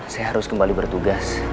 saya harus kembali bertugas